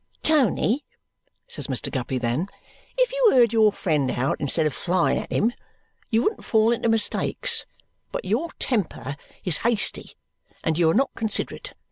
"Tony," says Mr. Guppy then, "if you heard your friend out instead of flying at him, you wouldn't fall into mistakes. But your temper is hasty and you are not considerate.